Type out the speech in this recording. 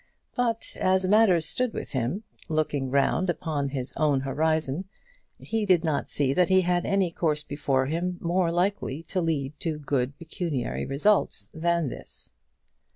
But as matters stood with him, looking round upon his own horizon, he did not see that he had any course before him more likely to lead to good pecuniary results, than this.